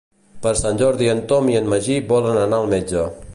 Per Sant Jordi en Tom i en Magí volen anar al metge.